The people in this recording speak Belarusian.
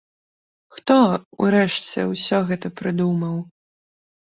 Хто, урэшце, усё гэта прыдумаў?